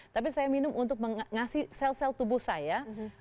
tapi saya minum untuk mengasih sel sel tubuh saya